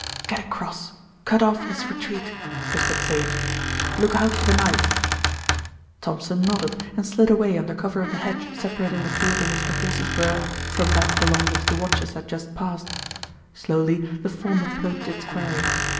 "Get across. Cut off his retreat," whispered Sage. "Look out for the knife." Thompson nodded and slid away under cover of the hedge separating the field in which the horses were from that along which the watchers had just passed. Slowly the form approached its quarry.